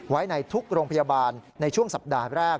ไว้ในทุกโรงพยาบาลในช่วงสัปดาห์แรก